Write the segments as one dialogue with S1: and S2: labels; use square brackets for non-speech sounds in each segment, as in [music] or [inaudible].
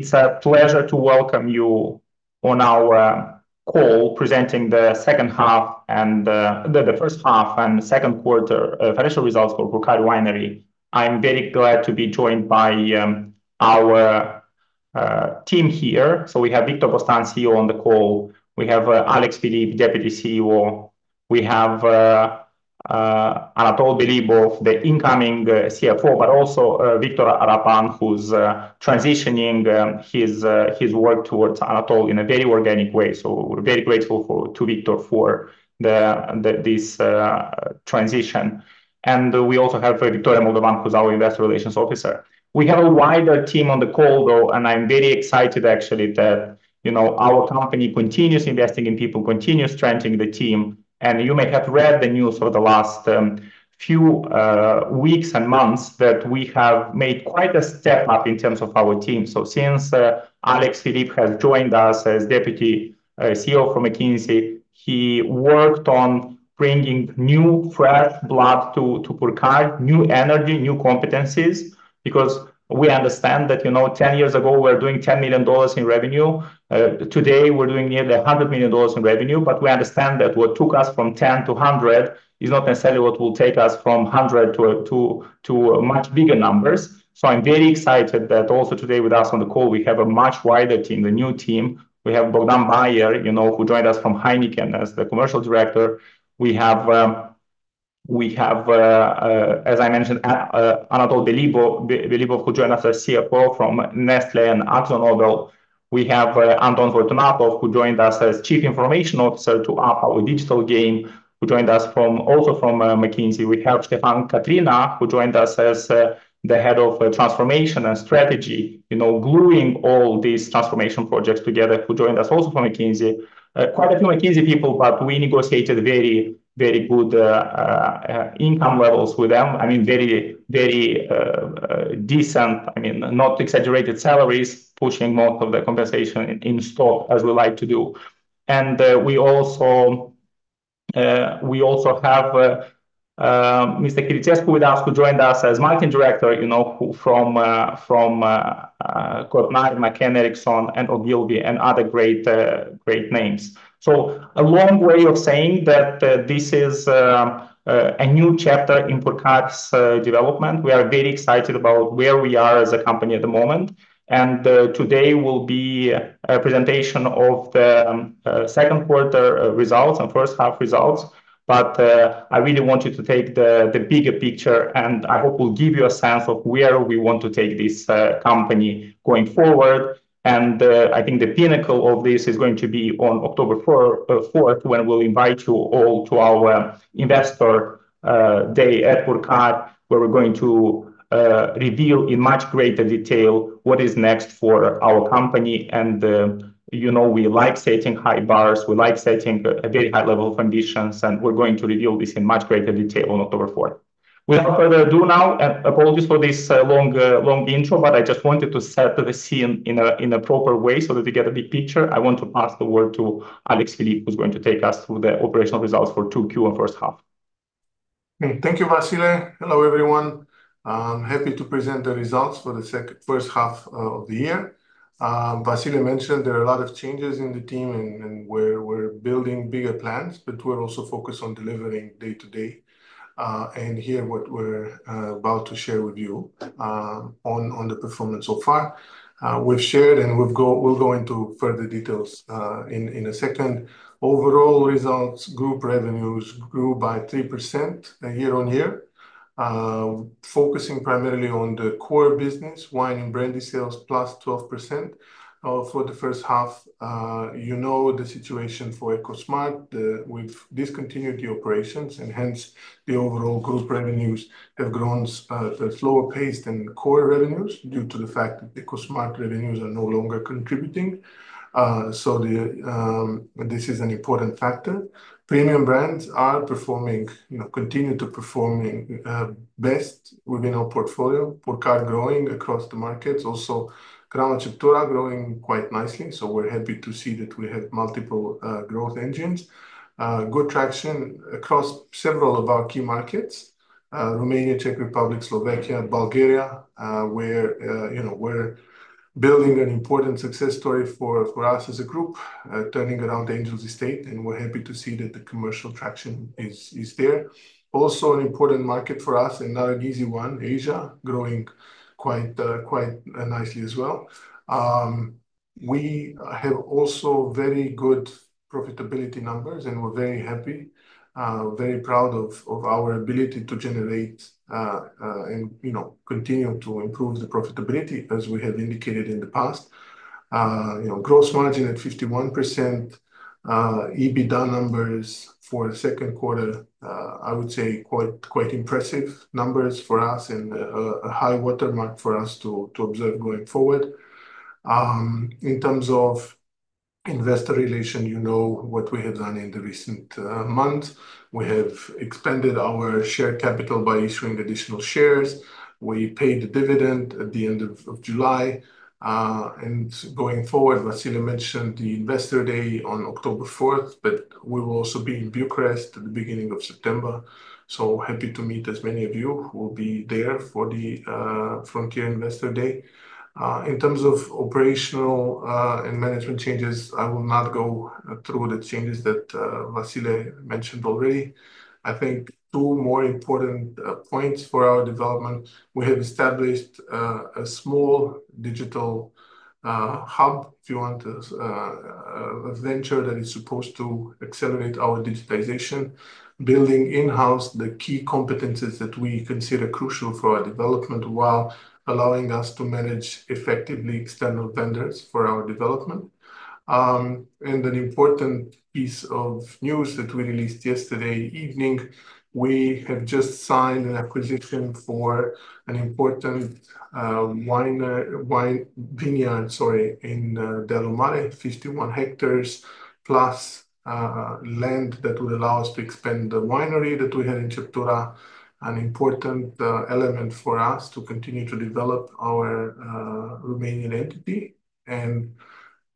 S1: It's a pleasure to welcome you on our call presenting the first half and the second quarter financial results for Purcari Wineries. I'm very glad to be joined by our team here. We have Victor Bostan, CEO, on the call. We have Alex Filip, Deputy CEO. We have Anatol Belibov, the incoming CFO, also Victor Arapan who's transitioning his work towards Anatol in a very organic way. We're very grateful to Victor for this transition. We also have Victoria Moldovan, who's our Investor Relations Officer. We have a wider team on the call though, I'm very excited actually that, you know, our company continues investing in people, continues strengthening the team. You may have read the news over the last few weeks and months that we have made quite a step up in terms of our team. Since Alex Filip has joined us as Deputy CEO from McKinsey, he worked on bringing new, fresh blood to Purcari, new energy, new competencies, because we understand that, you know, 10 years ago, we were doing $10 million in revenue. Today we're doing nearly $100 million in revenue, but we understand that what took us from $10-100 million is not necessarily what will take us from $100 million to much bigger numbers. I'm very excited that also today with us on the call, we have a much wider team, the new team. We have Bogdan Băian, you know, who joined us from Heineken as the Commercial Director. We have, as I mentioned, Anatol Belibov, who joined us as CFO from Nestlé and AkzoNobel. We have Anton Fortunatov who joined us as Chief Information Officer to up our digital game, who joined us also from McKinsey. We have Stefan Catrina, who joined us as the Head of Transformation and Strategy, you know, gluing all these transformation projects together, who joined us also from McKinsey. Quite a few McKinsey people, but we negotiated very good income levels with them. I mean, very decent. I mean, not exaggerated salaries, pushing most of the conversation in stock as we like to do. We also have Mr. Chirițescu with us, who joined us as marketing director, you know, who from, McCann Erickson and Ogilvy and other great names. A long way of saying that this is a new chapter in Purcari's development. We are very excited about where we are as a company at the moment, and today will be a presentation of the second quarter results and first half results. I really want you to take the bigger picture, and I hope will give you a sense of where we want to take this company going forward. I think the pinnacle of this is going to be on October 4th, when we'll invite you all to our investor day at Purcari, where we're going to reveal in much greater detail what is next for our company. You know, we like setting high bars. We like setting a very high level of ambitions, and we're going to reveal this in much greater detail on October 4th. Without further ado now, apologies for this long, long intro, but I just wanted to set the scene in a proper way so that you get a big picture. I want to pass the word to Alex Filip, who's going to take us through the operational results for 2Q and first half.
S2: Thank you, Vasile. Hello, everyone. I'm happy to present the results for the first half of the year. Vasile mentioned there are a lot of changes in the team and we're building bigger plans, but we're also focused on delivering day to day. Here what we're about to share with you on the performance so far. We've shared and we'll go into further details in a second. Overall results, group revenues grew by 3% year-on-year. Focusing primarily on the core business, wine and brandy sales +12% for the first half. You know, the situation for EcoSmart. We've discontinued the operations and hence the overall growth revenues have grown at a slower pace than core revenues due to the fact that EcoSmart revenues are no longer contributing. This is an important factor. Premium brands are performing, you know, continue to performing best within our portfolio. Purcari growing across the markets. Also, Crama Ceptura growing quite nicely, we're happy to see that we have multiple growth engines. Good traction across several of our key markets. Romania, Czech Republic, Slovakia, Bulgaria, we're, you know, we're building an important success story for us as a group, turning around Angel's Estate, we're happy to see that the commercial traction is there. Also an important market for us and not an easy one, Asia, growing quite nicely as well. We have also very good profitability numbers, and we're very happy, very proud of our ability to generate, and, you know, continue to improve the profitability as we have indicated in the past. You know, gross margin at 51%. EBITDA numbers for the second quarter, I would say quite impressive numbers for us and a high watermark for us to observe going forward. Investor Relations, you know what we have done in the recent months. We have expanded our share capital by issuing additional shares. We paid the dividend at the end of July. Going forward, Vasile mentioned the Investor Day on October 4th, we will also be in Bucharest at the beginning of September. Happy to meet as many of you who will be there for the Frontier Investor Days. In terms of operational and management changes, I will not go through the changes that Vasile mentioned already. I think two more important points for our development, we have established a small digital hub, if you want. A venture that is supposed to accelerate our digitization. Building in-house the key competencies that we consider crucial for our development, while allowing us to manage effectively external vendors for our development. An important piece of news that we released yesterday evening, we have just signed an acquisition for an important vineyard in Dealu Mare. 51 hectares, plus land that will allow us to expand the winery that we have in Crama Ceptura, an important element for us to continue to develop our Romanian entity.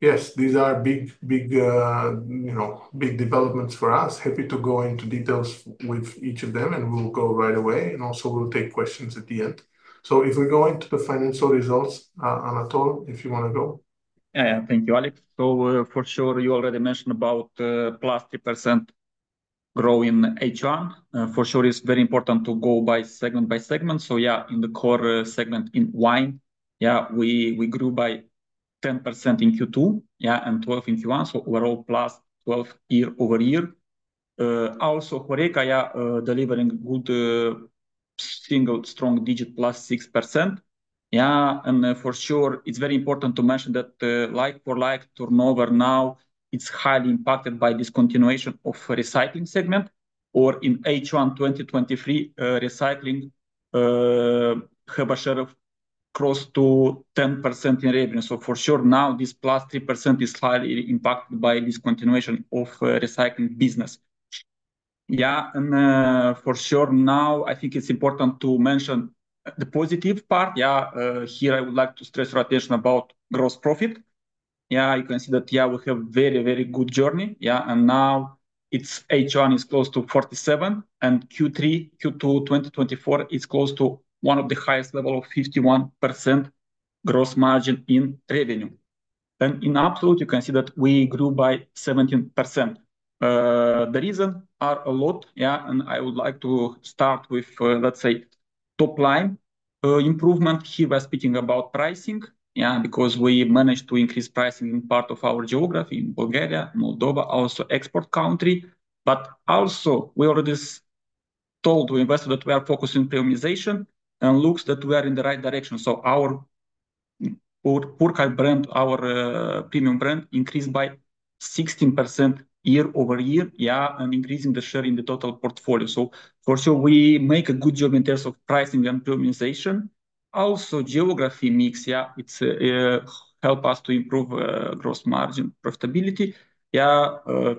S2: Yes, these are big, big, you know, big developments for us. Happy to go into details with each of them, and we will go right away. Also we'll take questions at the end. If we go into the financial results, Anatol, if you wanna go.
S3: Thank you, Alex. For sure you already mentioned about +3% grow in H1. For sure it's very important to go by segment by segment. In the core segment in wine, we grew by 10% in Q2 and 12% in Q1, overall +12% year-over-year. Also HoReCa delivering good single strong digit, +6%. For sure it's very important to mention that like-for-like turnover now is highly impacted by discontinuation of recycling segment. In H1 2023, recycling have a share of close to 10% in revenue. For sure now this +3% is highly impacted by discontinuation of recycling business. For sure now I think it's important to mention the positive part. Here I would like to stress your attention about gross profit. You can see that we have a very good journey. Now H1 is close to 47%, and Q3, Q2 2024 is close to one of the highest level of 51% gross margin in revenue. In absolute you can see that we grew by 17%. The reason are a lot, I would like to start with let's say top line improvement. Here we're speaking about pricing because we managed to increase pricing in part of our geography in Bulgaria, Moldova, also export country. Also we already told to investor that we are focusing premiumization and looks that we are in the right direction. Our Purcari brand, our premium brand increased by 16% year-over-year. Increasing the share in the total portfolio. For sure we make a good job in terms of pricing and premiumization. Also geography mix, it's help us to improve gross margin profitability.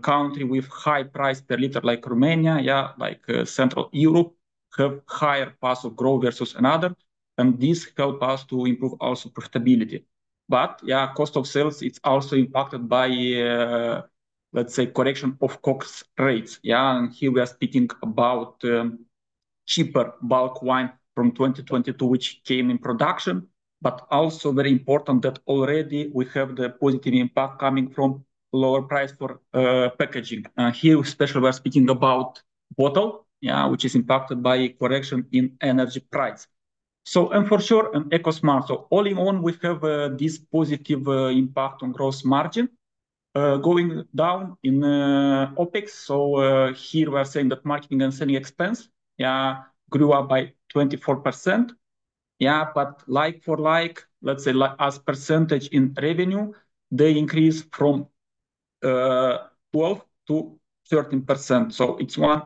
S3: Country with high price per liter like Romania, like central Europe, have higher parts of growth versus another, and this help us to improve also profitability. Cost of sales, it's also impacted by, let's say correction of COGS rates. Here we are speaking about cheaper bulk wine from 2022 which came in production. Also very important that already we have the positive impact coming from lower price for packaging. Here especially we are speaking about bottle, which is impacted by correction in energy price. For sure, EcoSmart. All in all, we have this positive impact on gross margin. Going down in OPEX, here we are saying that marketing and selling expense, yeah, grew up by 24%. Like for like, let's say like as percentage in revenue, they increase from 12%-13%, it's one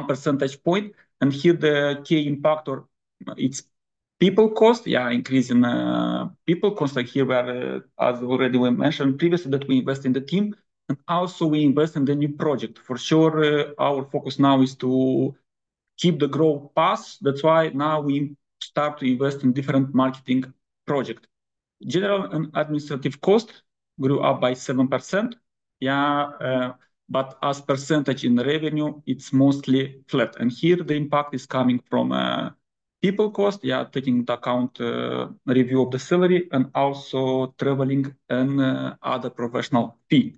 S3: percentage point. Here the key impact or, it's people cost. Increase in people cost, like here where, as already we mentioned previously, that we invest in the team. Also we invest in the new project. For sure, our focus now is to keep the growth path. That's why now we start to invest in different marketing project. General and administrative cost grew up by 7%. As percentage in revenue, it's mostly flat. Here the impact is coming from people cost. Taking into account review of the salary and also traveling and other professional fee.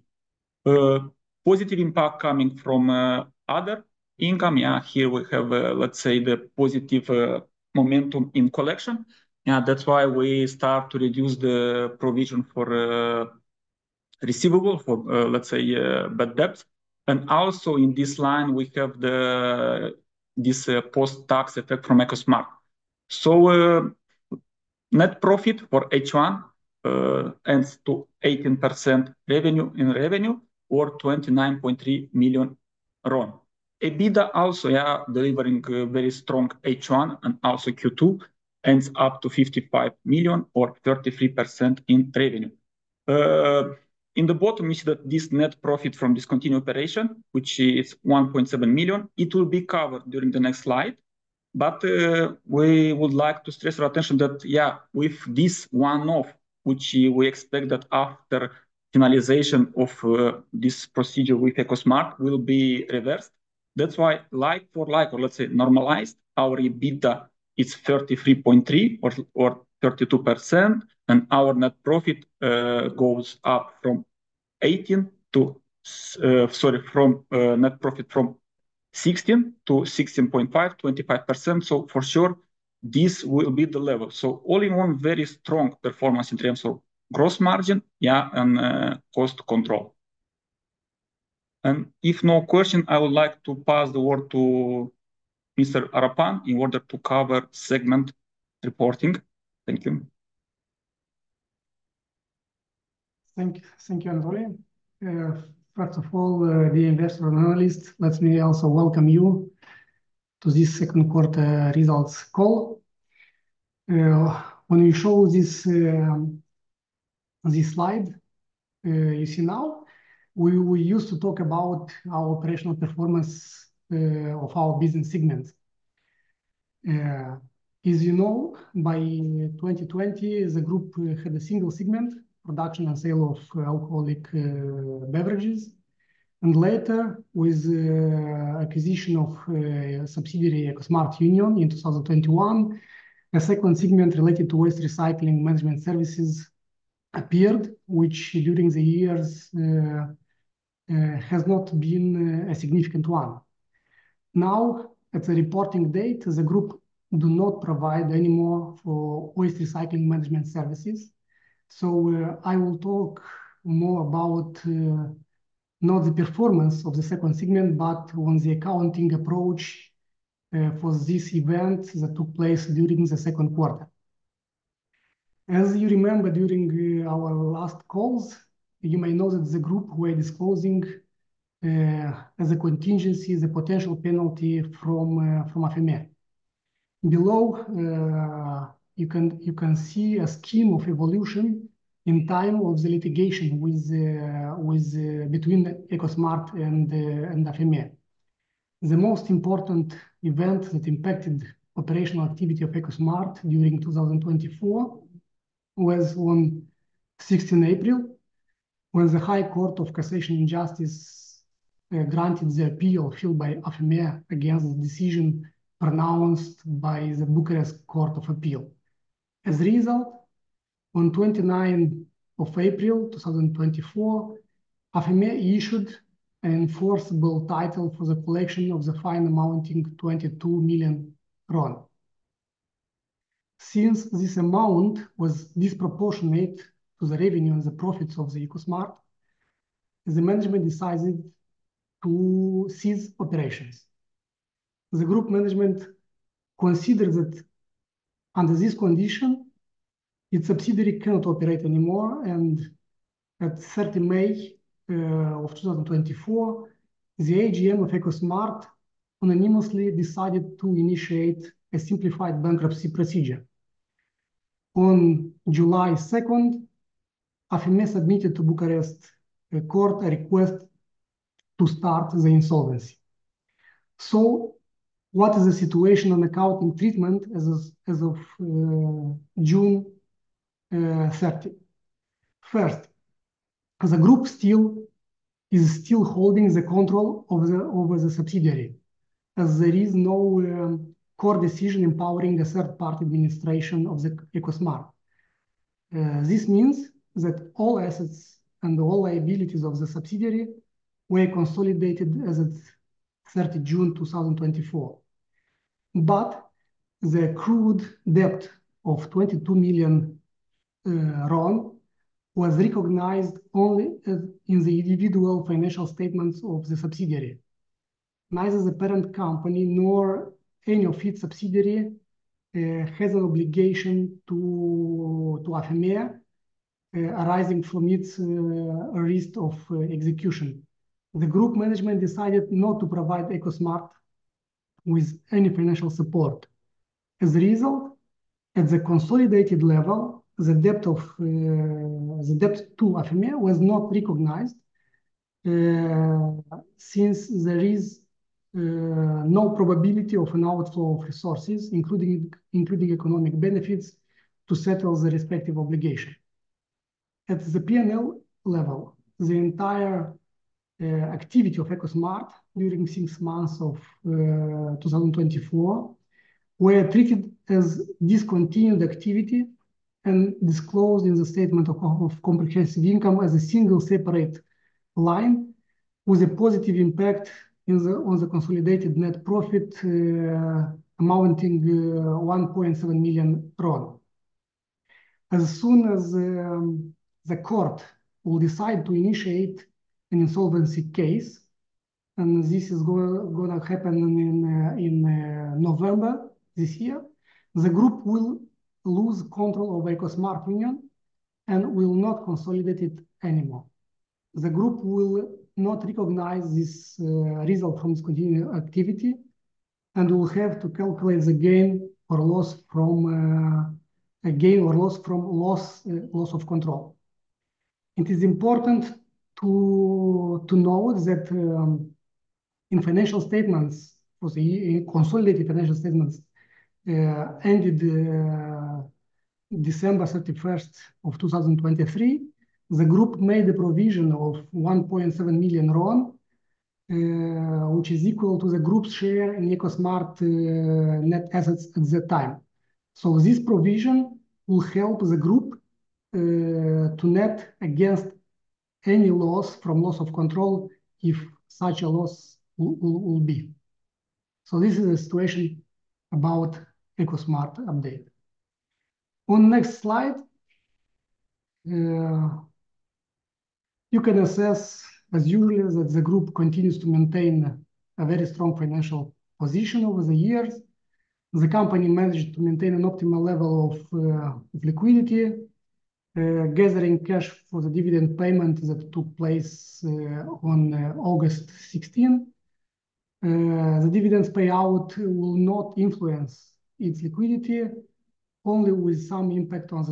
S3: Positive impact coming from other income. Here we have the positive momentum in collection. We start to reduce the provision for receivable for bad debts. In this line we have this post-tax effect from EcoSmart. Net profit for H1 ends to 18% in revenue, or RON 29.3 million, EBITDA also delivering a very strong H1 and also Q2, ends up to RON 55 million or 33% in revenue. In the bottom, you see that this net profit from discontinued operation, which is RON 1.7 million, it will be covered during the next slide. We would like to stress your attention that with this one-off, which we expect that after finalization of this procedure with EcoSmart will be reversed. That's why like for like or let's say normalized, our EBITDA is 33.3% or 32% and our net profit goes up from 18 to sorry, from net profit from 16%-16.5%, 25%. For sure, this will be the level. All in one, very strong performance in terms of gross margin and cost control. If no question, I would like to pass the word to Mr. Arapan in order to cover segment reporting. Thank you.
S4: Thank you, Anatol. First of all, the investor and analysts, let me also welcome you to this second quarter results call. When we show this slide, you see now, we used to talk about our operational performance of our business segments. As you know, by 2020 the group had a single segment, production and sale of alcoholic beverages. Later, with the acquisition of subsidiary EcoSmart Union in 2021, a second segment related to waste recycling management services appeared, which during the years has not been a significant one. At the reporting date, the group do not provide any more for waste recycling management services. I will talk more about not the performance of the second segment, but on the accounting approach for this event that took place during the second quarter. As you remember during our last calls, you may know that the group were disclosing as a contingency the potential penalty from AFME. Below, you can see a scheme of evolution in time of the litigation between EcoSmart and AFME. The most important event that impacted operational activity of EcoSmart during 2024 was on 16th April, when the High Court of Cassation and Justice granted the appeal filed by AFME against the decision pronounced by the Bucharest Court of Appeal. As a result, on 29 of April 2024, AFME issued an enforceable title for the collection of the fine amounting RON 22 million. Since this amount was disproportionate to the revenue and the profits of the EcoSmart, the management decided to cease operations. The group management considered that under this condition, its subsidiary cannot operate anymore, and on 30 May 2024, the AGM of EcoSmart unanimously decided to initiate a simplified bankruptcy procedure. On July 2nd, AFME submitted to Bucharest, a court, a request to start the insolvency. What is the situation on accounting treatment as of June 31st? As the group is still holding the control over the subsidiary, as there is no court decision empowering a third-party administration of the EcoSmart. This means that all assets and all liabilities of the subsidiary were consolidated as at 30 June 2024. The accrued debt of RON 22 million was recognized only as in the individual financial statements of the subsidiary. Neither the parent company nor any of its subsidiary has an obligation to AFME arising from its risk of execution. The group management decided not to provide EcoSmart with any financial support. As a result, at the consolidated level, the debt, the debt to AFME was not recognized since there is no probability of an outflow of resources, including economic benefits to settle the respective obligation. At the P&L level, the entire activity of EcoSmart during six months of 2024 were treated as discontinued activity and disclosed in the statement of comprehensive income as a single separate line with a positive impact on the consolidated net profit amounting RON 1.7 million. As soon as the court will decide to initiate an insolvency case, and this is gonna happen in November this year, the group will lose control of EcoSmart Union. Will not consolidate it anymore. The group will not recognize this result from discontinued activity, and will have to calculate the gain or loss from loss of control. It is important to know that in financial statements for the consolidated financial statements, ended December 31st of 2023, the group made a provision of RON 1.7 million, which is equal to the group's share in EcoSmart net assets at the time. This provision will help the group to net against any loss from loss of control if such a loss will be. This is the situation about EcoSmart update. On next slide, you can assess as usual that the group continues to maintain a very strong financial position over the years. The company managed to maintain an optimal level of liquidity, gathering cash for the dividend payment that took place on August 16th. The dividends payout will not influence its liquidity, only with some impact on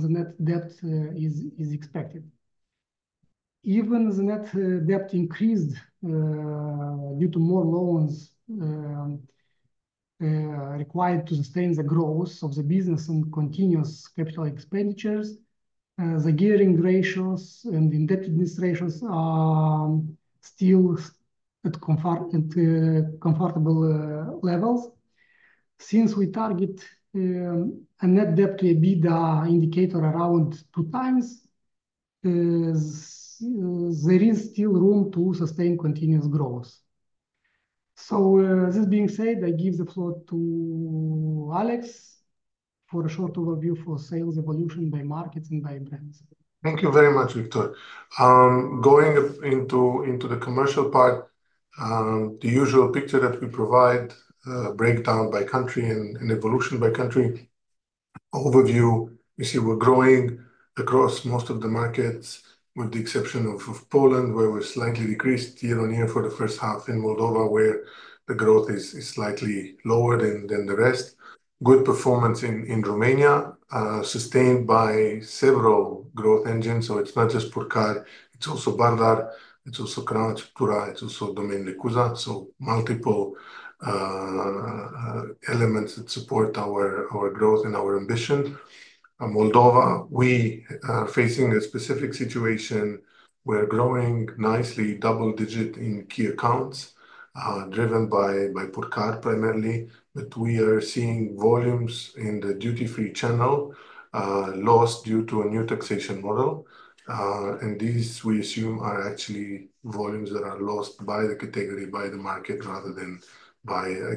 S4: the net debt is expected. Even the net debt increased due to more loans required to sustain the growth of the business and continuous capital expenditures. The gearing ratios and indebtedness ratios are still at comfortable levels. Since we target a net debt to EBITDA indicator around 2x, there is still room to sustain continuous growth. This being said, I give the floor to Alex for a short overview for sales evolution by markets and by brands.
S2: Thank you very much, Victor. Going into the commercial part, the usual picture that we provide, breakdown by country and evolution by country. Overview, you see we're growing across most of the markets, with the exception of Poland, where we slightly decreased year-on-year for the first half, and Moldova, where the growth is slightly lower than the rest. Good performance in Romania, sustained by several growth engines, so it's not just Purcari, it's also Bardar, it's also Crama Ceptura, it's also Domeniile Cuza. Multiple elements that support our growth and our ambition. Moldova, we are facing a specific situation. We're growing nicely double digit in key accounts, driven by Purcari primarily. We are seeing volumes in the duty-free channel, lost due to a new taxation model. These we assume are actually volumes that are lost by the category, by the market, rather than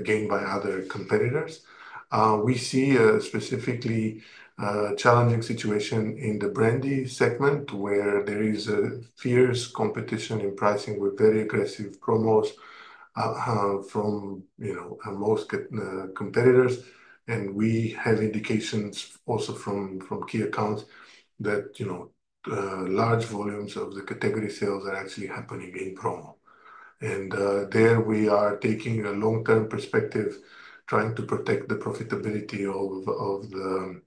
S2: gained by other competitors. We see a specifically challenging situation in the brandy segment, where there is a fierce competition in pricing with very aggressive promos from, you know, most competitors. We have indications also from key accounts that, you know, large volumes of the category sales are actually happening in promo. There we are taking a long-term perspective, trying to protect the profitability of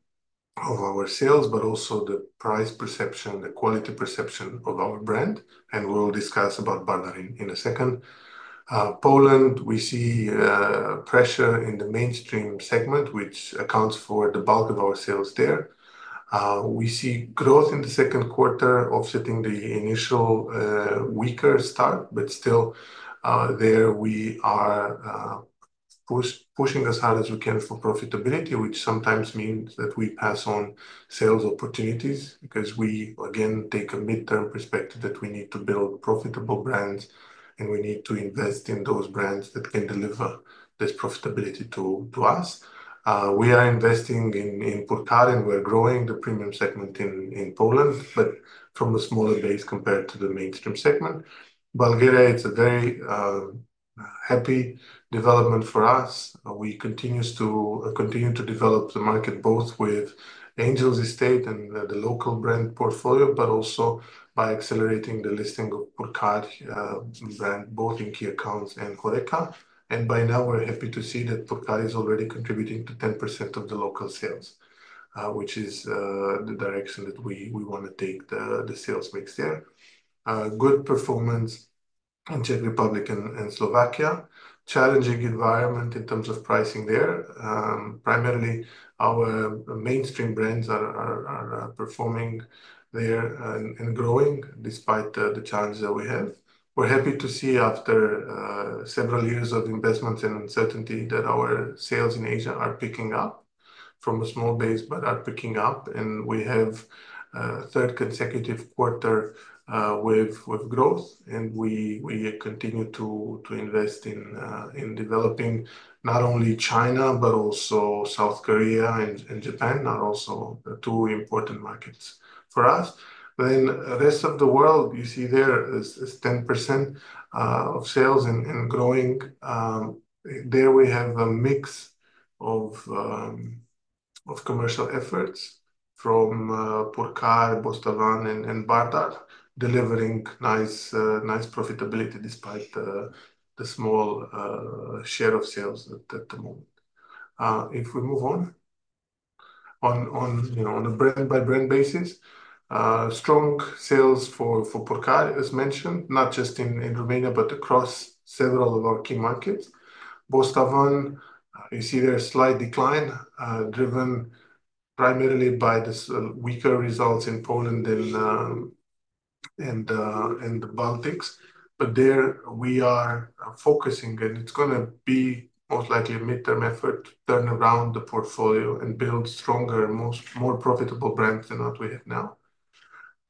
S2: our sales, but also the price perception, the quality perception of our brand, and we'll discuss about Bardar in a second. Poland, we see pressure in the mainstream segment, which accounts for the bulk of our sales there. We see growth in the second quarter offsetting the initial weaker start, but still, there we are, pushing as hard as we can for profitability, which sometimes means that we pass on sales opportunities because we again take a midterm perspective that we need to build profitable brands and we need to invest in those brands that can deliver this profitability to us. We are investing in Purcari and we're growing the premium segment in Poland, but from a smaller base compared to the mainstream segment. Bulgaria, it's a very happy development for us. We continues to continue to develop the market both with Angel's Estate and the local brand portfolio, but also by accelerating the listing of Purcari brand both in key accounts and HoReCa. By now we're happy to see that Purcari is already contributing to 10% of the local sales, which is the direction that we wanna take the sales mix there. Good performance in Czech Republic and Slovakia. Challenging environment in terms of pricing there. Primarily our mainstream brands are performing there and growing despite the challenges that we have. We're happy to see after several years of investments and uncertainty that our sales in Asia are picking up from a small base, but are picking up and we have third consecutive quarter with growth and we continue to invest in developing not only China but also South Korea and Japan are also two important markets for us. Rest of the world, you see there is 10% of sales and growing. There we have a mix of commercial efforts from Purcari, Bostavan and Bardar delivering nice profitability despite the small share of sales at the moment. If we move on. On a brand by brand basis, you know, strong sales for Purcari as mentioned, not just in Romania, but across several of our key markets. Bostavan, you see there a slight decline, driven primarily by this weaker results in Poland and the Baltics. There we are focusing, and it's gonna be most likely a midterm effort to turn around the portfolio and build stronger, more profitable brands than what we have now.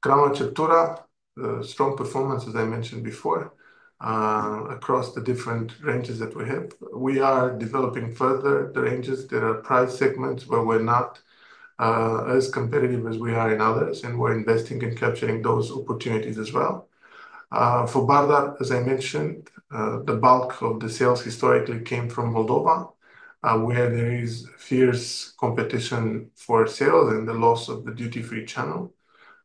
S2: Crama Ceptura, strong performance as I mentioned before, across the different ranges that we have. We are developing further the ranges. There are price segments where we're not as competitive as we are in others, we're investing in capturing those opportunities as well. For Bardar, as I mentioned, the bulk of the sales historically came from Moldova, where there is fierce competition for sales and the loss of the duty-free channel.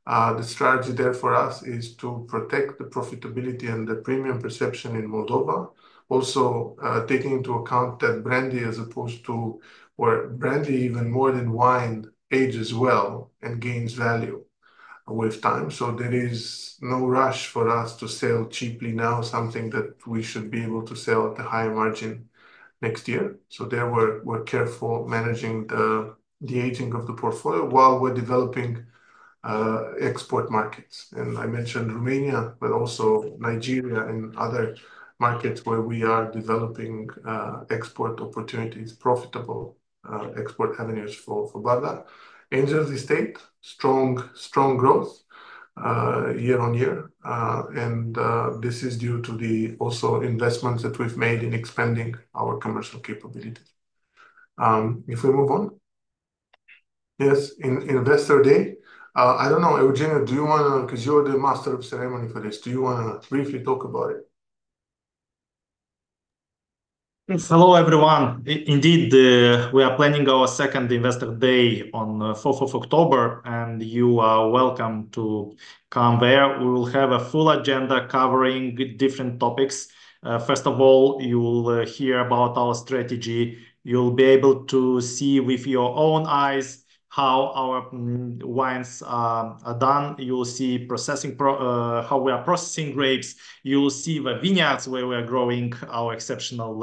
S2: The strategy there for us is to protect the profitability and the premium perception in Moldova. Also, taking into account that brandy, even more than wine, ages well and gains value with time. There is no rush for us to sell cheaply now something that we should be able to sell at a higher margin next year. There we're careful managing the aging of the portfolio while we're developing export markets. I mentioned Romania, but also Nigeria and other markets where we are developing export opportunities, profitable export avenues for Bardar. Angel's Estate, strong growth year-on-year. This is due to the also investments that we've made in expanding our commercial capabilities. If we move on. Yes. In Investor Day, I don't know, Eugeniu, 'cause you're the master of ceremony for this, do you wanna briefly talk about it?
S5: Hello, everyone. Indeed, we are planning our second Investor Day on 4th of October, and you are welcome to come there. We will have a full agenda covering different topics. First of all, you will hear about our strategy. You'll be able to see with your own eyes how our wines are done. You'll see processing how we are processing grapes. You'll see the vineyards where we are growing our exceptional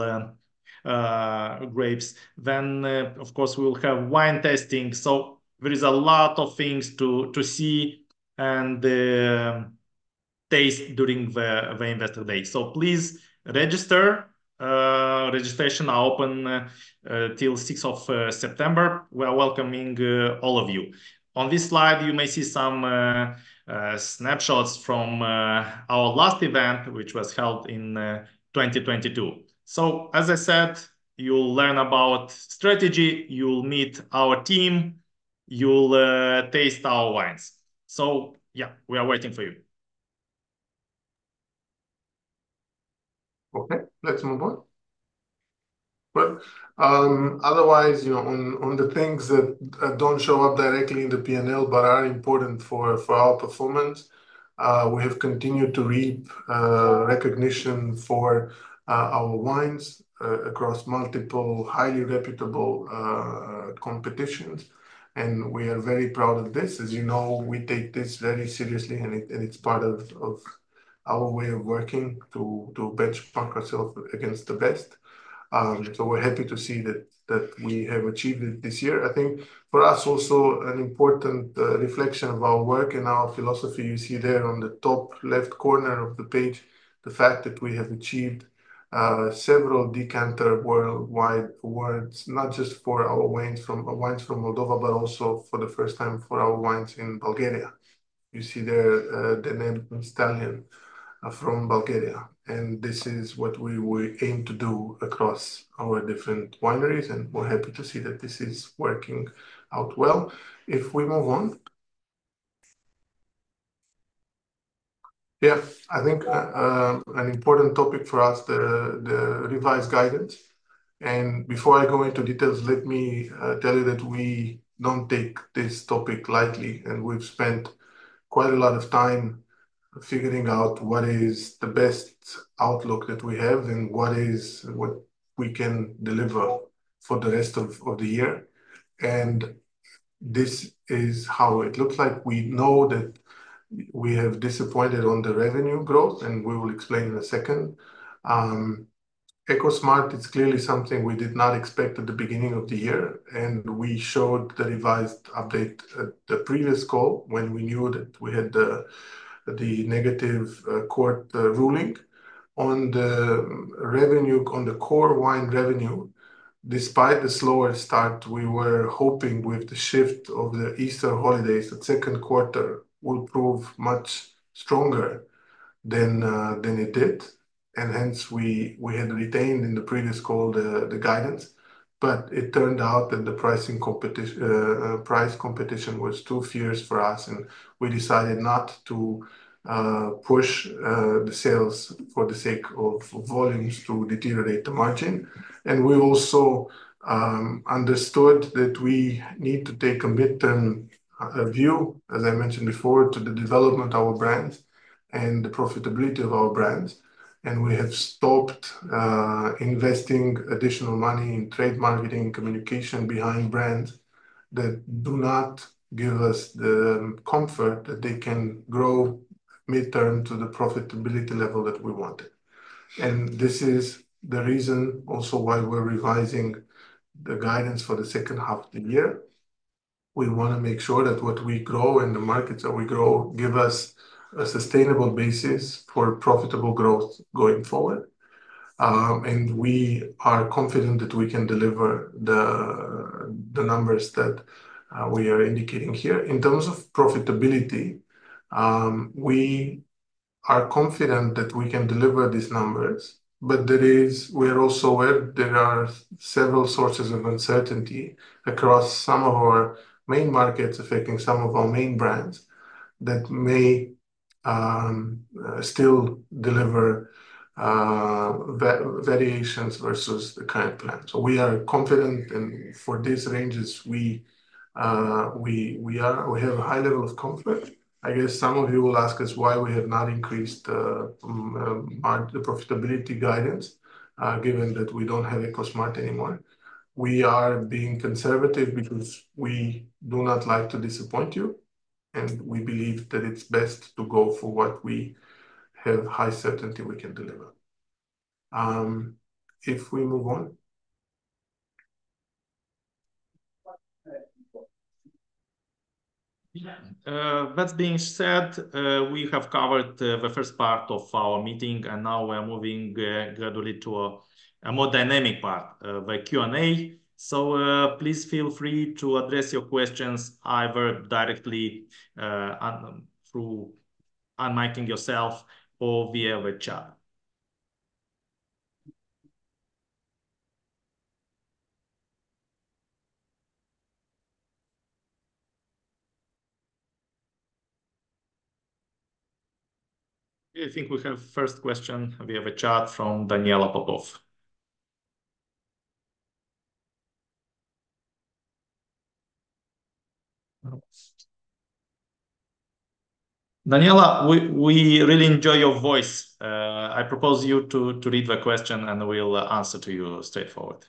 S5: grapes. Then, of course, we'll have wine tasting. There is a lot of things to see and taste during the Investor Day. Please register. Registration are open till 6th of September. We are welcoming all of you. On this slide, you may see some snapshots from our last event, which was held in 2022. As I said, you'll learn about strategy, you'll meet our team, you'll taste our wines. Yeah, we are waiting for you.
S2: Okay, let's move on. Otherwise, you know, on the things that don't show up directly in the P&L but are important for our performance, we have continued to reap recognition for our wines across multiple highly reputable competitions, and we are very proud of this. As you know, we take this very seriously and it's part of our way of working to benchmark ourself against the best. We're happy to see that we have achieved it this year. I think for us also an important reflection of our work and our philosophy, you see there on the top left corner of the page the fact that we have achieved several Decanter World Wine Awards, not just for our wines from Moldova, but also for the first time for our wines in Bulgaria. You see there, the name Stallion, from Bulgaria, and this is what we aim to do across our different wineries, and we're happy to see that this is working out well. If we move on. Yeah. I think, an important topic for us, the revised guidance. Before I go into details, let me tell you that we don't take this topic lightly, and we've spent quite a lot of time figuring out what is the best outlook that we have and what is what we can deliver for the rest of the year. This is how it looks like. We know that we have disappointed on the revenue growth, and we will explain in a second. Ecosmart, it's clearly something we did not expect at the beginning of the year, and we showed the revised update at the previous call when we knew that we had the negative court ruling. On the revenue on the core wine revenue, despite the slower start, we were hoping with the shift of the Easter holidays, the second quarter would prove much stronger than it did. We had retained in the previous call the guidance. It turned out that the pricing price competition was too fierce for us, and we decided not to push the sales for the sake of volumes to deteriorate the margin. We also understood that we need to take a midterm view, as I mentioned before, to the development of our brands and the profitability of our brands. We have stopped investing additional money in trade marketing, communication behind brands that do not give us the comfort that they can grow midterm to the profitability level that we wanted. This is the reason also why we're revising the guidance for the second half of the year. We wanna make sure that what we grow and the markets that we grow give us a sustainable basis for profitable growth going forward. We are confident that we can deliver the numbers that we are indicating here. In terms of profitability, we are confident that we can deliver these numbers. We are also aware there are several sources of uncertainty across some of our main markets affecting some of our main brands that may still deliver variations versus the current plan. We are confident, and for these ranges, we have a high level of comfort. I guess some of you will ask us why we have not increased the profitability guidance, given that we don't have EcoSmart anymore. We are being conservative because we do not like to disappoint you, and we believe that it's best to go for what we have high certainty we can deliver. If we move on.
S5: Yeah. That being said, we have covered the first part of our meeting, and now we're moving gradually to a more dynamic part, the Q&A. Please feel free to address your questions either directly, through unmuting yourself or via the chat. I think we have first question. We have a chat from Daniella Popov. Daniella, we really enjoy your voice. I propose you to read the question, and we'll answer to you straightforward.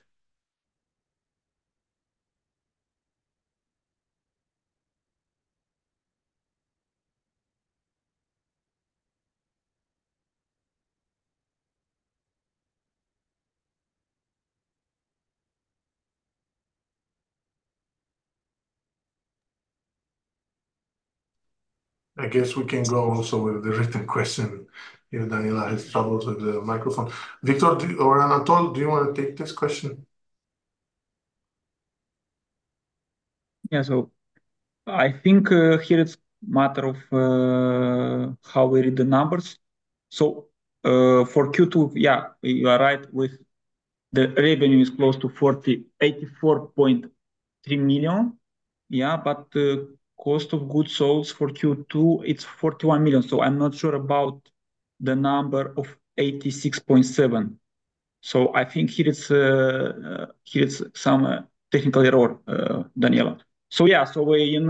S2: I guess we can go also with the written question if Daniella has troubles with the microphone. Victor or Anatol, do you wanna take this question?
S3: Yeah. I think here it's matter of how we read the numbers. For Q2, yeah, you are right with the revenue is close to RON 84.3 million. Yeah. The cost of goods sold for Q2, it's RON 41 million, I'm not sure about the number of 86.7. I think here is some technical error, Daniella. We're in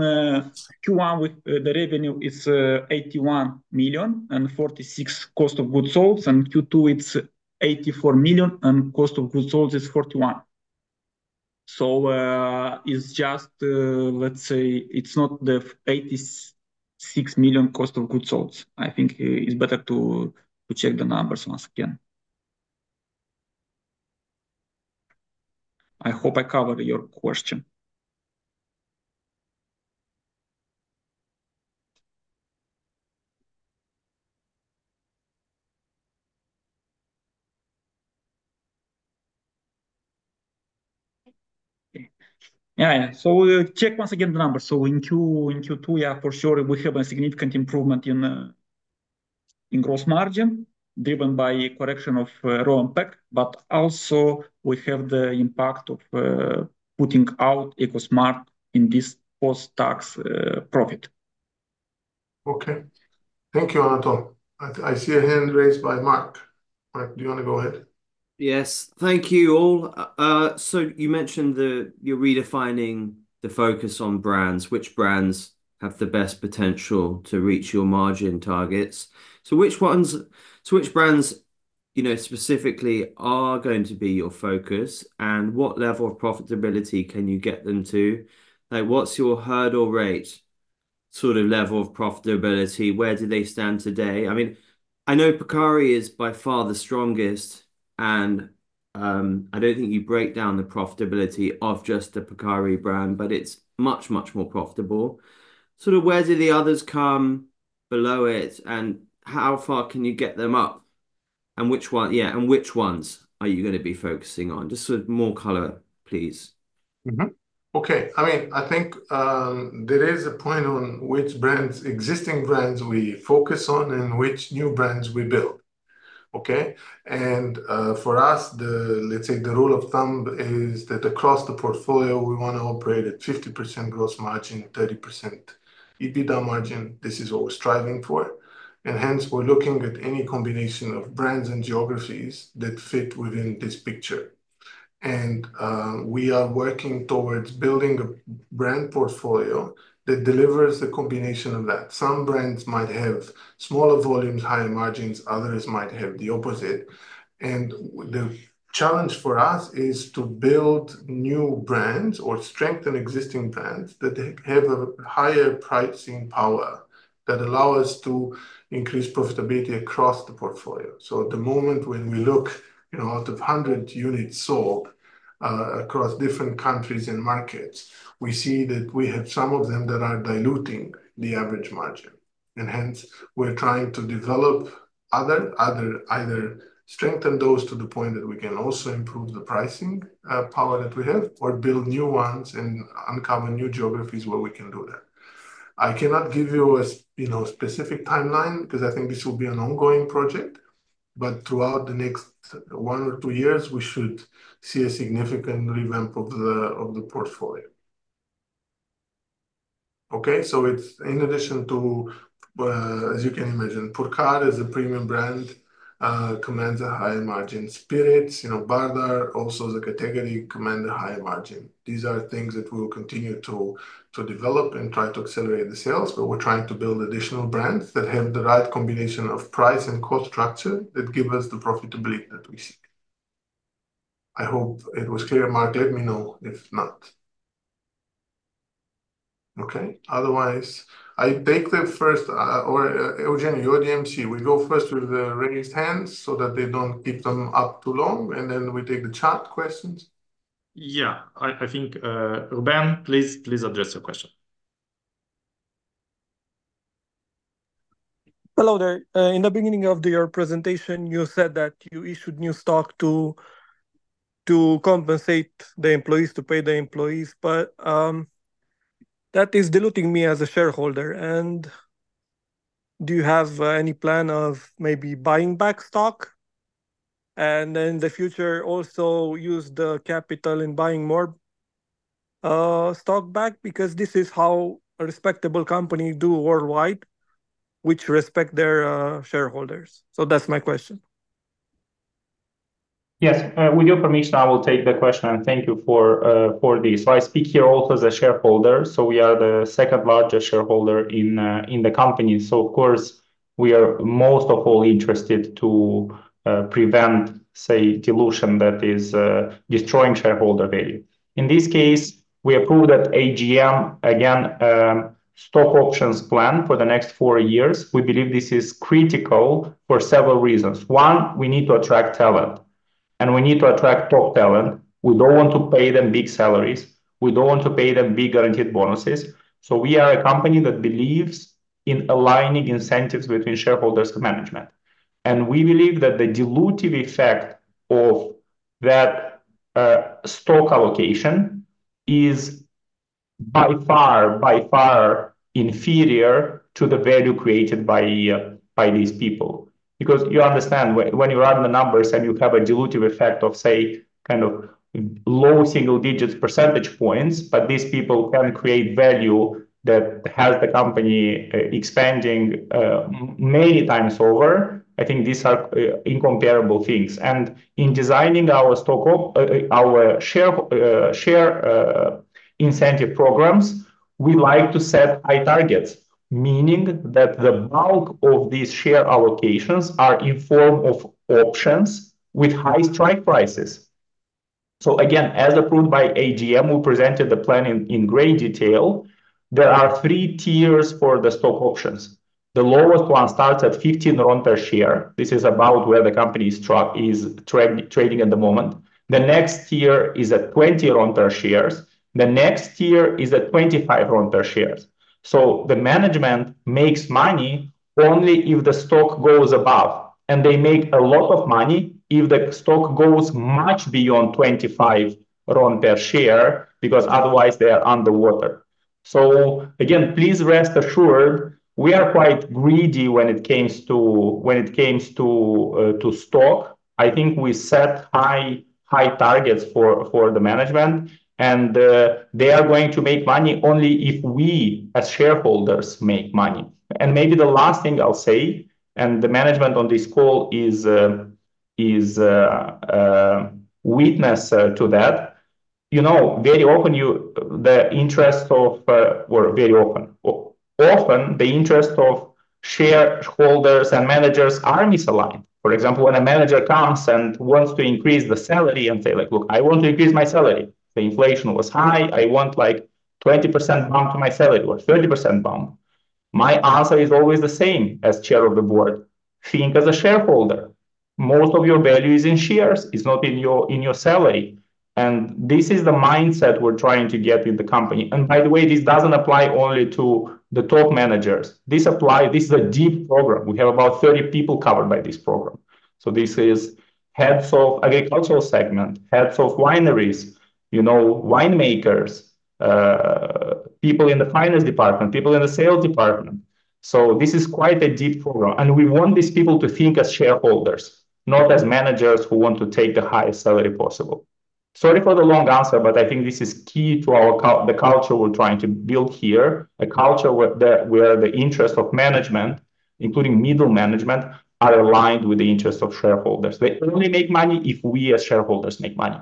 S3: Q1 with the revenue is RON 81 million, and RON 46 million cost of goods sold. Q2, it's RON 84 million, and cost of goods sold is RON 41 million. It's just, let's say, it's not the RON 86 million cost of goods sold. I think here it's better to check the numbers once again. I hope I covered your question. Yeah, yeah. Check once again the numbers. In Q2, yeah, for sure we have a significant improvement in gross margin driven by correction of raw material, but also we have the impact of putting out EcoSmart in this post-tax profit.
S2: Okay. Thank you, Anatol. I see a hand raised by Mark. Mark, do you wanna go ahead?
S6: Yes. Thank you all. You mentioned that you're redefining the focus on brands. Which brands have the best potential to reach your margin targets? Which brands, you know, specifically are going to be your focus, and what level of profitability can you get them to? Like, what's your hurdle rate sort of level of profitability? Where do they stand today? I mean, I know Purcari is by far the strongest, and I don't think you break down the profitability of just the Purcari brand, but it's much, much more profitable. Sort of, where do the others come below it, and how far can you get them up? Yeah, which ones are you gonna be focusing on? Just sort of more color, please.
S2: Okay. I mean, I think there is a point on which brands, existing brands we focus on and which new brands we build. Okay? For us, let's say the rule of thumb is that across the portfolio, we wanna operate at 50% gross margin, 30% EBITDA margin. This is what we're striving for. Hence, we're looking at any combination of brands and geographies that fit within this picture. We are working towards building a brand portfolio that delivers the combination of that. Some brands might have smaller volumes, higher margins, others might have the opposite. The challenge for us is to build new brands or strengthen existing brands that have a higher pricing power, that allow us to increase profitability across the portfolio. At the moment when we look, you know, out of 100 units sold, across different countries and markets, we see that we have some of them that are diluting the average margin, and hence we're trying to develop other, either strengthen those to the point that we can also improve the pricing power that we have, or build new ones and uncover new geographies where we can do that. I cannot give you a specific timeline, because I think this will be an ongoing project, but throughout the next one or two years, we should see a significant revamp of the portfolio. Okay. In addition to, as you can imagine, Purcari as a premium brand, commands a higher margin. Spirits, you know, Bardar, also the category command a higher margin. These are things that we will continue to develop and try to accelerate the sales. We're trying to build additional brands that have the right combination of price and cost structure that give us the profitability that we seek. I hope it was clear, Mark. Let me know if not. Okay. Otherwise, I take the first, or Eugeniu, you're DMC. We go first with the raised hands so that they don't keep them up too long, then we take the chat questions.
S5: Yeah. I think, Ruben, please address your question.
S7: Hello there. In the beginning of your presentation, you said that you issued new stock to compensate the employees, to pay the employees. That is diluting me as a shareholder. Do you have any plan of maybe buying back stock, and in the future also use the capital in buying more stock back? This is how respectable companies do worldwide, which respect their shareholders. That's my question.
S1: Yes. With your permission, I will take the question, and thank you for this. I speak here also as a shareholder, so we are the second largest shareholder in the company. Of course, we are most of all interested to prevent, say, dilution that is destroying shareholder value. In this case, we approved at AGM, again, stock options plan for the next 4 years. We believe this is critical for several reasons. One, we need to attract talent, and we need to attract top talent. We don't want to pay them big salaries. We don't want to pay them big guaranteed bonuses. We are a company that believes in aligning incentives between shareholders to management. We believe that the dilutive effect of that stock allocation is by far inferior to the value created by these people. Because you understand when you run the numbers and you have a dilutive effect of, say, kind of low single digits percentage points, but these people can create value that helps the company expanding many times over, I think these are incomparable things. In designing our stock op... our share incentive programs, we like to set high targets. Meaning, that the bulk of these share allocations are in form of options with high strike prices. Again, as approved by AGM, we presented the plan in great detail. There are three tiers for the stock options. The lowest one starts at RON 15 per share. This is about where the company's stock is trading at the moment. The next tier is at 20 RON per share. The next tier is at RON 25 per share. The management makes money only if the stock goes above, and they make a lot of money if the stock goes much beyond RON 25 per share, because otherwise they are underwater. Again, please rest assured, we are quite greedy when it comes to stock. I think we set high targets for the management, they are going to make money only if we, as shareholders, make money. Maybe the last thing I'll say, the management on this call is witness to that. Often the interest of shareholders and managers are misaligned. For example, when a manager comes and wants to increase the salary and say like, "Look, I want to increase my salary. The inflation was high. I want like 20% bump to my salary or 30% bump." My answer is always the same as chair of the board, "Think as a shareholder. Most of your value is in shares, it's not in your, in your salary." This is the mindset we're trying to get with the company. By the way, this doesn't apply only to the top managers. This applies. This is a deep program. We have about 30 people covered by this program. This is heads of agricultural segment, heads of wineries, you know, winemakers, people in the finance department, people in the sales department. This is quite a deep program. We want these people to think as shareholders, not as managers who want to take the highest salary possible. Sorry for the long answer, I think this is key to our culture we're trying to build here. A culture where the interest of management, including middle management, are aligned with the interest of shareholders. They only make money if we as shareholders make money.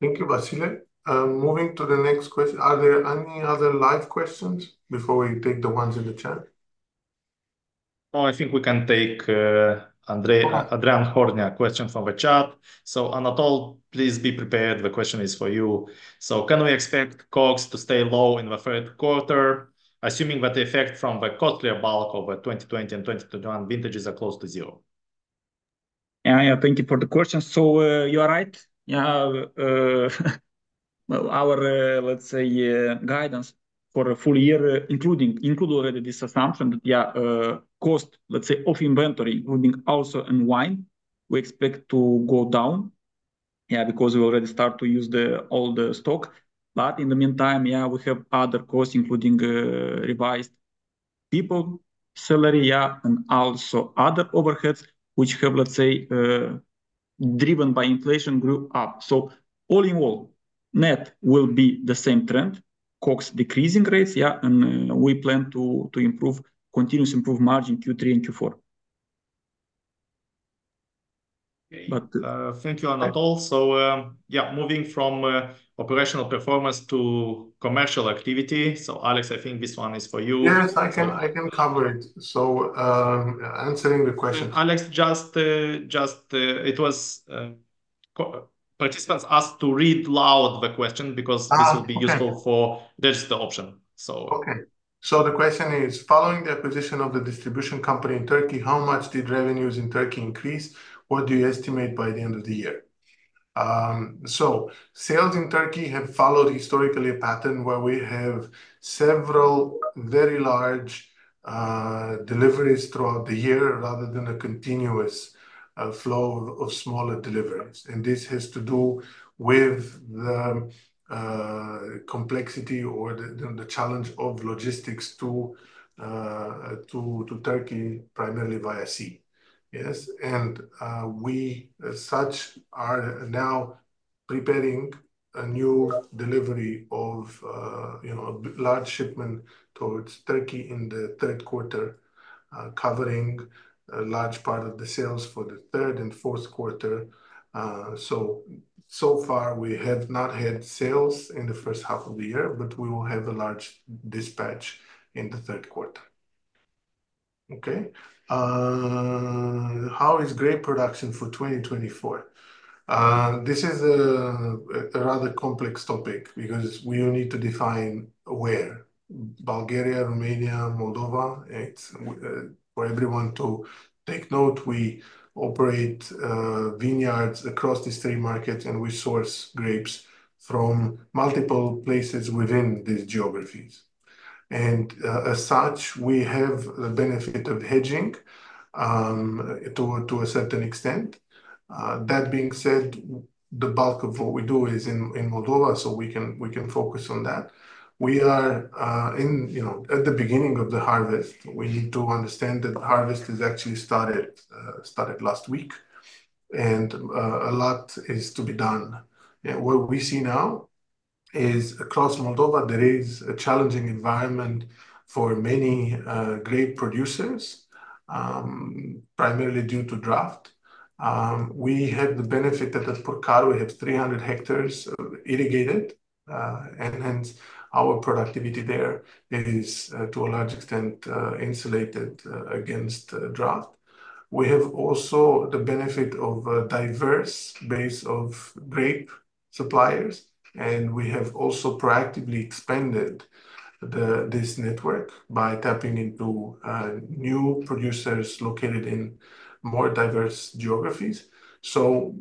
S5: Thank you, Vasile. Moving to the next question. Are there any other live questions before we take the ones in the chat?
S1: I think we can take Adrian Hornea question from the chat. Anatol, please be prepared. The question is for you. Can we expect COGS to stay low in the third quarter, assuming that the effect from the costly bulk of the 2020 and 2021 vintages are close to zero?
S3: Thank you for the question. You are right. Our guidance for a full year include already this assumption that cost of inventory, including also in wine, we expect to go down. Because we already start to use the older stock. In the meantime, we have other costs, including revised people salary, and also other overheads, which have driven by inflation grew up. All in all, net will be the same trend. COGS decreasing rates, we plan to improve, continuous improve margin Q3 and Q4.
S1: Thank you, Anatol. Yeah, moving from operational performance to commercial activity. Alex, I think this one is for you.
S2: Yes, I can, I can cover it.
S1: Alex, just it was participants asked to read loud the question.
S2: Okay.
S1: This will be useful for digital option.
S2: Okay. The question is, following the acquisition of the distribution company in Turkey, how much did revenues in Turkey increase? What do you estimate by the end of the year? Sales in Turkey have followed historically a pattern where we have several very large deliveries throughout the year rather than a continuous flow of smaller deliveries, and this has to do with the complexity or the challenge of logistics to Turkey primarily via sea. Yes. We as such are now preparing a new delivery of, you know, large shipment towards Turkey in the third quarter, covering a large part of the sales for the third and fourth quarter. So far we have not had sales in the first half of the year, but we will have a large dispatch in the third quarter. Okay. How is grape production for 2024? This is a rather complex topic because we need to define where. Bulgaria, Romania, Moldova. It's for everyone to take note, we operate vineyards across these three markets, and we source grapes from multiple places within these geographies. As such, we have the benefit of hedging to a certain extent. That being said, the bulk of what we do is in Moldova, so we can focus on that. We are in, you know, at the beginning of the harvest. We need to understand that harvest is actually started last week, and a lot is to be done. Yeah. What we see now is across Moldova, there is a challenging environment for many grape producers, primarily due to drought. We have the benefit at Purcari, we have 300 hectares irrigated, and hence our productivity there is to a large extent insulated against drought. We have also the benefit of a diverse base of grape suppliers, we have also proactively expanded this network by tapping into new producers located in more diverse geographies.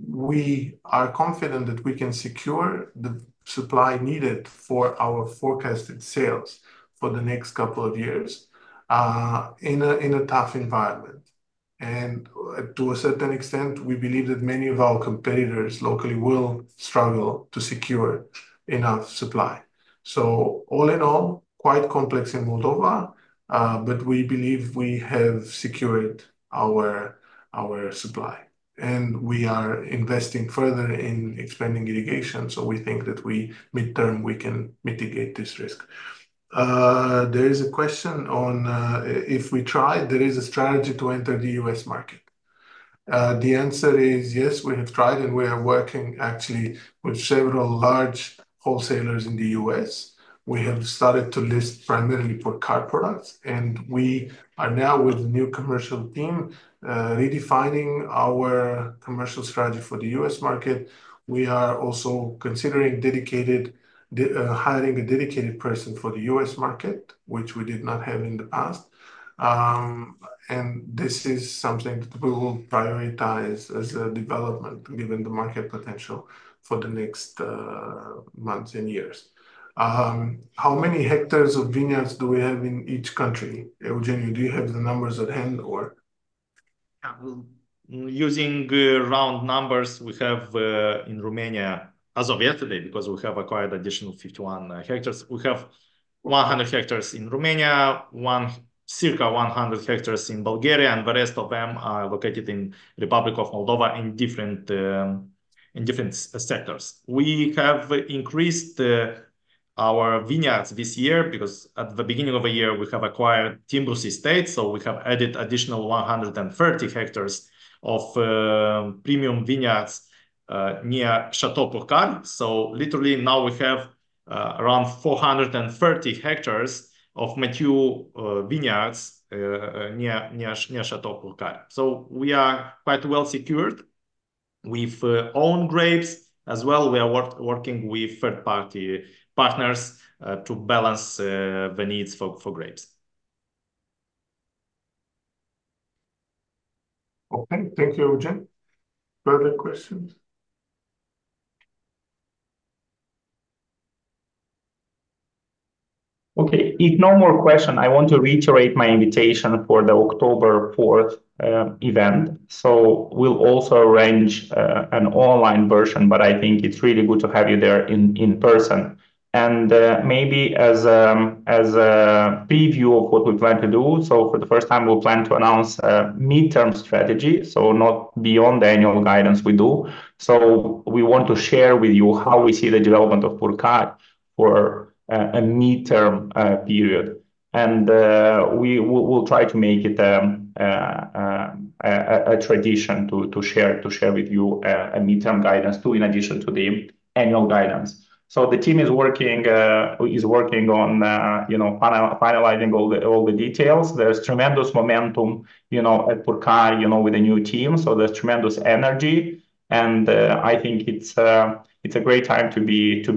S2: We are confident that we can secure the supply needed for our forecasted sales for the next couple of years in a tough environment. To a certain extent, we believe that many of our competitors locally will struggle to secure enough supply. All in all, quite complex in Moldova, but we believe we have secured our supply, and we are investing further in expanding irrigation, we think that we mid-term, we can mitigate this risk. There is a question on if we tried, there is a strategy to enter the U.S. market. The answer is yes, we have tried. We are working actually with several large wholesalers in the U.S. We have started to list primarily Purcari products. We are now with a new commercial team redefining our commercial strategy for the U.S. market. We are also considering hiring a dedicated person for the U.S. market, which we did not have in the past. This is something that we will prioritize as a development given the market potential for the next months and years. How many hectares of vineyards do we have in each country? Eugeniu, do you have the numbers at hand?
S5: Using round numbers, we have in Romania as of yesterday, because we have acquired additional 51 hectares. We have 100 hectares in Romania, one circa 100 hectares in Bulgaria, and the rest of them are located in Republic of Moldova in different, in different sectors. We have increased our vineyards this year because at the beginning of the year, we have acquired Timbrus Purcari Estate, so we have added additional 130 hectares of premium vineyards near Chateau Purcari. Literally now we have around 430 hectares of mature vineyards near Chateau Purcari. We've own grapes. As well we are working with third-party partners to balance the needs for grapes.
S1: Okay. Thank you, Eugen. Further questions? Okay. If no more question, I want to reiterate my invitation for the October 4th event. We'll also arrange an online version, but I think it's really good to have you there in person. Maybe as a preview of what we plan to do, for the first time, we'll plan to announce a midterm strategy, not beyond the annual guidance we do. We want to share with you how we see the development of Purcari for a midterm period. We will try to make it a tradition to share with you a midterm guidance too in addition to the annual guidance. The team is working on, you know, finalizing all the details. There's tremendous momentum, you know, at Purcari, you know, with the new team, so there's tremendous energy and, I think it's a great time to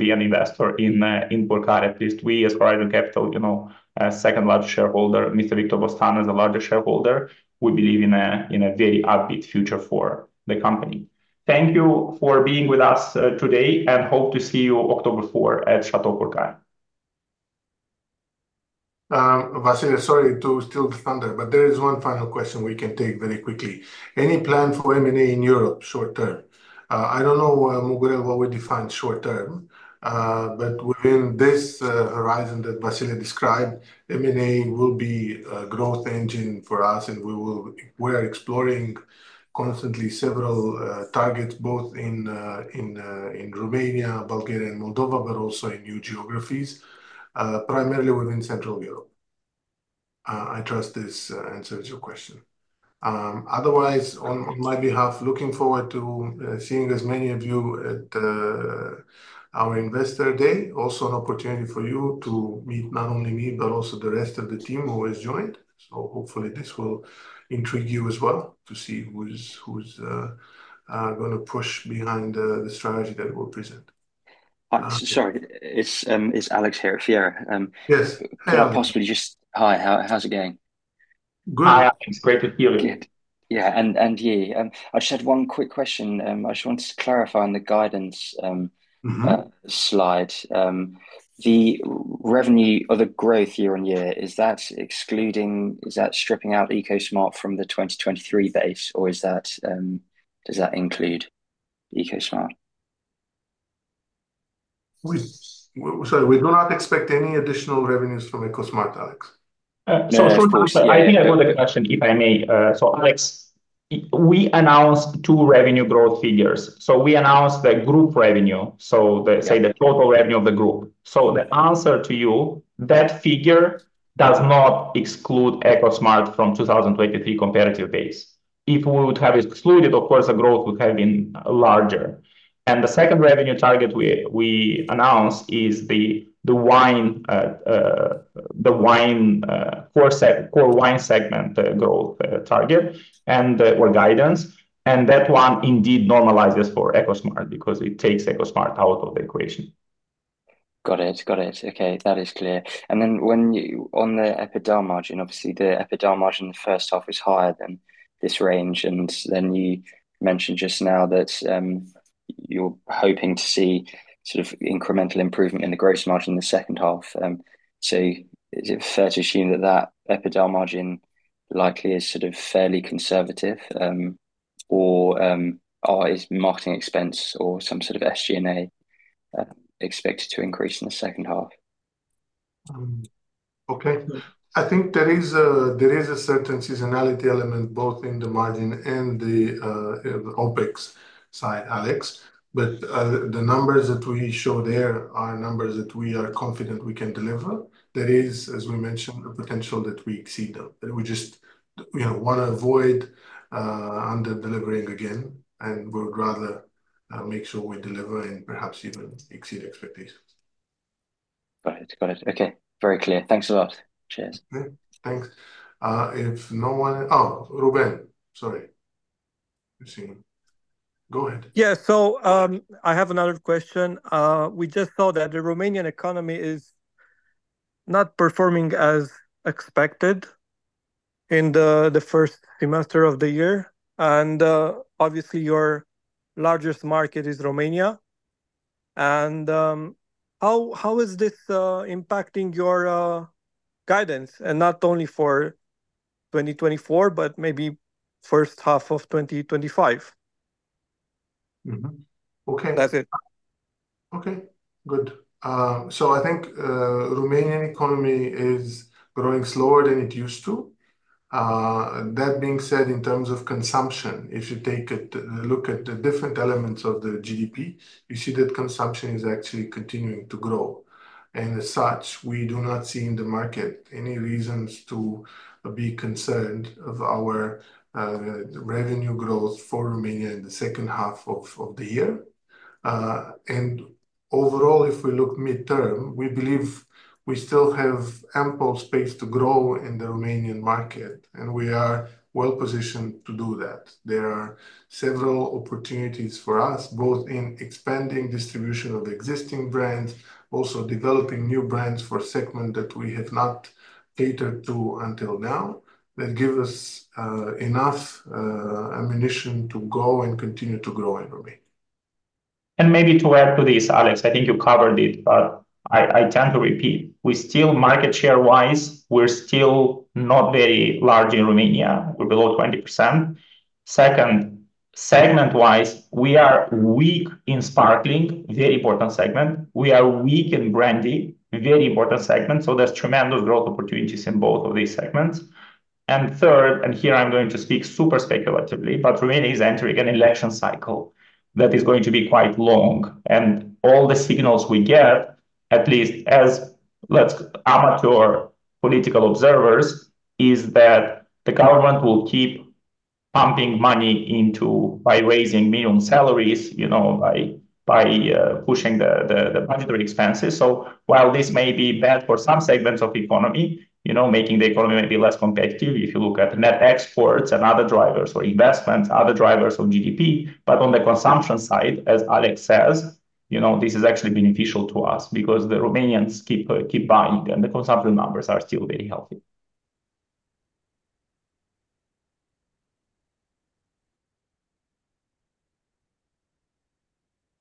S1: be an investor in Purcari. At least we as Horizon Capital, you know, as second-largest shareholder, Mr. Victor Bostan is the largest shareholder, we believe in a very upbeat future for the company. Thank you for being with us today, and hope to see you October 4th at Chateau Purcari.
S2: Vasile, sorry to still thunder, there is one final question we can take very quickly. Any plan for M&A in Europe short term? I don't know, Mugurel, what we define short term. Within this horizon that Vasile described, M&A will be a growth engine for us, We are exploring constantly several targets, both in Romania, Bulgaria and Moldova, but also in new geographies, primarily within Central Europe. I trust this answers your question. On my behalf, looking forward to seeing as many of you at our Investor Day. Also an opportunity for you to meet not only me, but also the rest of the team who has joined. Hopefully this will intrigue you as well to see who's gonna push behind the strategy that we'll present.
S8: sorry. It's Alex here, [Fierer.
S2: Yes. Hi.
S8: Hi. How's it going?
S2: Good.
S1: Hi, Alex. Great with you.
S8: Good. Yeah. Yeah, I just had one quick question. I just wanted to clarify on the guidance.
S2: Mm-hmm.
S8: Slide. The revenue or the growth year-on-year, is that excluding, is that stripping out EcoSmart from the 2023 base, or is that, does that include EcoSmart?
S2: Sorry. We do not expect any additional revenues from EcoSmart, Alex.
S1: Uh, so to. [crosstalk]
S8: Yeah.
S1: I think I got the question, if I may. Alex, we announced two revenue growth figures. We announced the group revenue. Say the total revenue of the group. The answer to you, that figure does not exclude EcoSmart from 2023 comparative base. If we would have excluded, of course the growth would have been larger. The second revenue target we announced is the wine core wine segment growth target or guidance, and that one indeed normalizes for EcoSmart because it takes EcoSmart out of the equation.
S8: Got it. Okay. That is clear. On the EBITDA margin, obviously the EBITDA margin the first half is higher than this range. You mentioned just now that you're hoping to see sort of incremental improvement in the gross margin in the second half. Is it fair to assume that that EBITDA margin likely is sort of fairly conservative, or is marketing expense or some sort of SG&A expected to increase in the second half?
S2: Okay. I think there is a, there is a certain seasonality element both in the margin and the OPEX side, Alex. The numbers that we show there are numbers that we are confident we can deliver. There is, as we mentioned, a potential that we exceed them. We just, you know, wanna avoid under-delivering again, and would rather make sure we deliver and perhaps even exceed expectations.
S8: Got it. Okay. Very clear. Thanks a lot. Cheers.
S2: Yeah. Thanks. Oh, Ruben. Sorry. You're seen. Go ahead.
S7: Yeah. I have another question. We just saw that the Romanian economy is not performing as expected in the first semester of the year, and obviously your largest market is Romania. How is this impacting your guidance? Not only for 2024, but maybe first half of 2025?
S2: Mm-hmm. Okay.
S7: That's it.
S2: Okay. Good. I think Romanian economy is growing slower than it used to. That being said, in terms of consumption, if you take a look at the different elements of the GDP, you see that consumption is actually continuing to grow. As such, we do not see in the market any reasons to be concerned of our revenue growth for Romania in the second half of the year. Overall, if we look midterm, we believe we still have ample space to grow in the Romanian market, and we are well-positioned to do that. There are several opportunities for us, both in expanding distribution of existing brands, also developing new brands for a segment that we have not catered to until now, that give us enough ammunition to go and continue to grow in Romania.
S1: Maybe to add to this, Alex, I think you covered it, but I tend to repeat. We still, market share-wise, we're still not very large in Romania. We're below 20%. Second, segment-wise, we are weak in sparkling, very important segment. We are weak in brandy, very important segment, so there's tremendous growth opportunities in both of these segments. Third, here I'm going to speak super speculatively, but Romania is entering an election cycle that is going to be quite long. All the signals we get, at least as, let's, amateur political observers, is that the government will keep pumping money into by raising minimum salaries, you know, by pushing the budgetary expenses. While this may be bad for some segments of the economy, you know, making the economy maybe less competitive, if you look at net exports and other drivers or investments, other drivers of GDP. On the consumption side, as Alex says, you know, this is actually beneficial to us because the Romanians keep buying, and the consumption numbers are still very healthy.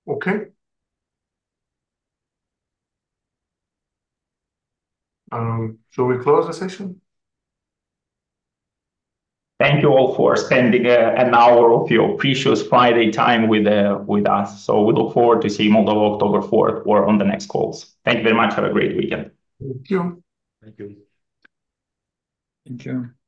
S2: Okay. Shall we close the session?
S5: Thank you all for spending an hour of your precious Friday time with with us. We look forward to seeing you on October fourth or on the next calls. Thank you very much. Have a great weekend.
S2: Thank you.
S4: Thank you.
S1: Thank you.